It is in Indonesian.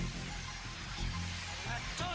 aku akan menangkapmu